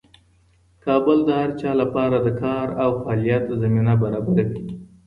کابل د هر چا لپاره د کار او فعالیت زمینه برابروي.